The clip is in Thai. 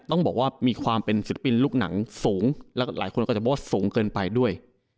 ต้องบอกว่ามีความเป็นศิลปินลูกหนังสูงแล้วก็หลายคนก็จะบอกว่าสูงเกินไปด้วย